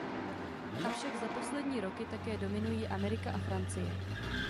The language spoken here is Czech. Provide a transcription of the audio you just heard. Avšak za poslední roky také dominují Amerika a Francie.